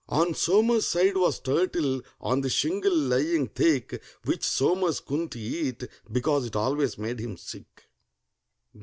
On SOMERS' side was turtle, on the shingle lying thick, Which SOMERS couldn't eat, because it always made him sick.